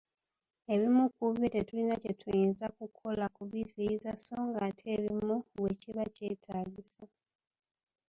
Ebimu ku byo tetulina kye tuyinza kukola kubiziyiza so ng'ate ebimu bwe kiba kyetaagisa.